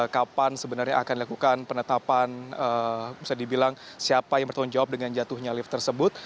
kapan sebenarnya akan dilakukan penetapan bisa dibilang siapa yang bertanggung jawab dengan jatuhnya lift tersebut